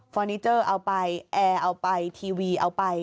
นิเจอร์เอาไปแอร์เอาไปทีวีเอาไป